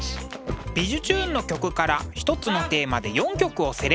「びじゅチューン！」の曲から１つのテーマで４曲をセレクト。